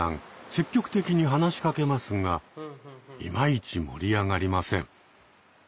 積極的に話しかけますがいまいち盛り上がりません。